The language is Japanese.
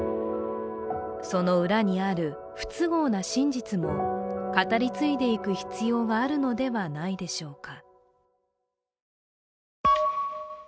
その裏にある不都合な真実も語り継いでいく必要があるのではないでしょうか。